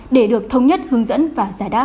để được thông nhất hướng dẫn và giả đáp